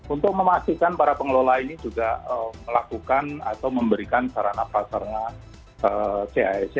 untuk memastikan para pengelola ini juga melakukan atau memberikan sarana pasarnya cisc